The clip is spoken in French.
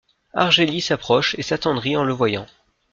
Argélie s'approche et s'attendrit en le voyant.